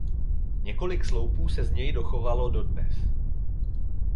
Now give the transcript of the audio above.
Několik sloupů se z něj dochovalo dodnes.